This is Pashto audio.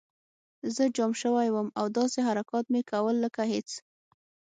زه جام شوی وم او داسې حرکات مې کول لکه هېڅ